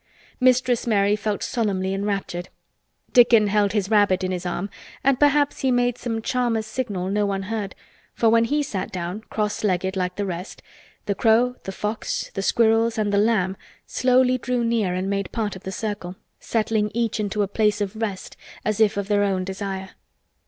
Mistress Mary felt solemnly enraptured. Dickon held his rabbit in his arm, and perhaps he made some charmer's signal no one heard, for when he sat down, cross legged like the rest, the crow, the fox, the squirrels and the lamb slowly drew near and made part of the circle, settling each into a place of rest as if of their own desire.